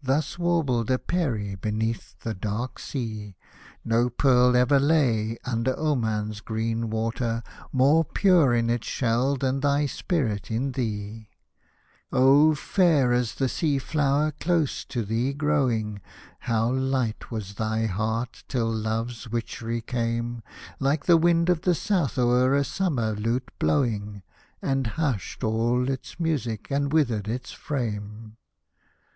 (Thus warbled a Peri beneath the dark sea,) No pearl ever lay, under Oman's green water, More pure in its shell than thy Spirit in thee. Hosted by Google THE FIRE WORSHIPPERS 147 Oh ! fair as the sea flower close to thee growing, How hght was thy heart till Love's witchery came, Like the wind of the south o'er a summer lute blowing, And hushed all its music, and withered its frame